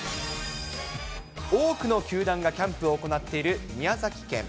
多くの球団がキャンプを行っている宮崎県。